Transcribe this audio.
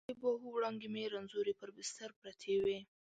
د باهو وړانګې مې رنځورې پر بستر پرتې وي